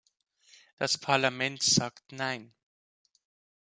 Das Parlament sagt nein.